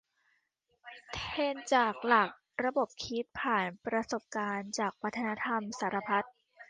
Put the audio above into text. เทรนจากหลากระบบคิด ผ่านประสบการณ์จากวัฒนธรรมสารพัด